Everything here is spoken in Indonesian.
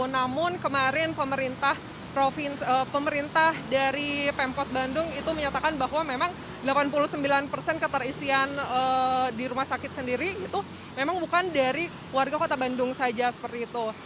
namun kemarin pemerintah dari pemkot bandung itu menyatakan bahwa memang delapan puluh sembilan persen keterisian di rumah sakit sendiri itu memang bukan dari warga kota bandung saja seperti itu